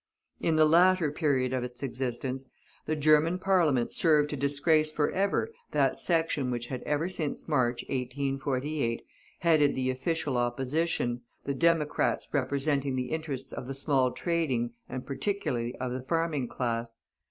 In the latter period of its existence, the German Parliament served to disgrace forever that section which had ever since March, 1848, headed the official opposition, the Democrats representing the interests of the small trading, and partially of the farming class.